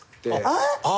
えっ？